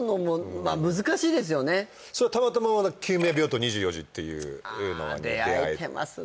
たまたま「救命病棟２４時」っていうのにあ出会えてますね